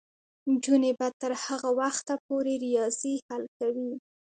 نجونې به تر هغه وخته پورې ریاضي حل کوي.